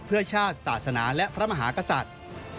เพื่อชาติศาสนาและพระมหากษัตริย์